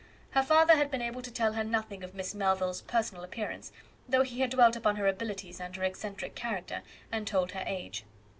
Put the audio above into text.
Her father had been able to tell her nothing of Miss Melville s personal appearance, though he had dwelt upon her abilities and her eccentric character, and told her age.